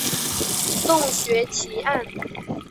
洞穴奇案。